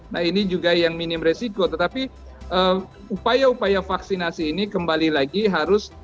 nah ini juga yang minim resiko tetapi upaya upaya vaksinasi ini kembali lagi harus